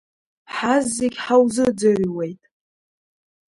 Ҳаззегьҳаузыӡырҩуеит!